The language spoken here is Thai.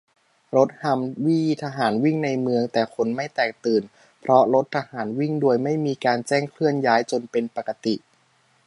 - รถฮัมวี่ทหารวิ่งในเมือง แต่คนไม่แตกตื่น เพราะรถทหารวิ่งโดยไม่มีการแจ้งเคลื่อนย้ายจนเป็นปกติ